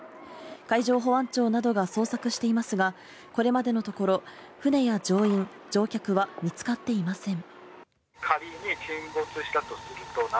海上保安庁などが捜索していますが、これまでのところ、船や乗員・乗客は見つかっていません。